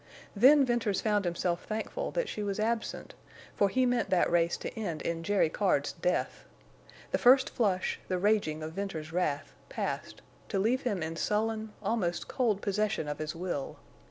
Then Venters found himself thankful that she was absent, for he meant that race to end in Jerry Card's death. The first flush, the raging of Venters's wrath, passed, to leave him in sullen, almost cold possession of his will.